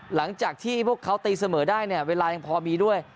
หลังจากที่พวกเขาตีเสมอได้เนี่ยเวลายังพอมีด้วย